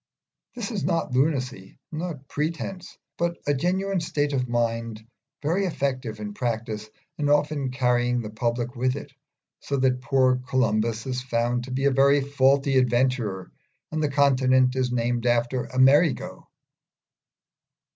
This is not lunacy, nor pretence, but a genuine state of mind very effective in practice, and often carrying the public with it, so that the poor Columbus is found to be a very faulty adventurer, and the continent is named after Amerigo.